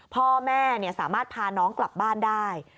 พ่อแม่สามารถพาน้องกลับบ้านได้